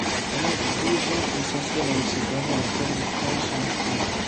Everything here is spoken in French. À l’âge de douze ans, il s'installe avec ses parents à Fort-de-France, en Martinique.